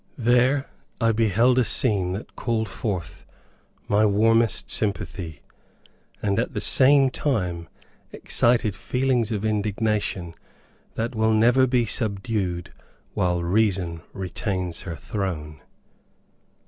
There I beheld a scene that called forth my warmest sympathy, and at the same time excited feelings of indignation that will never be subdued while reason retains her throne.